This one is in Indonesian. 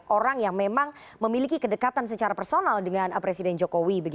orang yang memang memiliki kedekatan secara personal dengan presiden jokowi